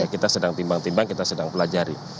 kita sedang timbang timbang kita sedang pelajari